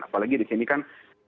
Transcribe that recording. apalagi disini kan